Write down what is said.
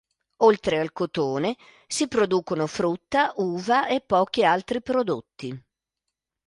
Oltre al cotone, si producono frutta, uva e pochi altri prodotti.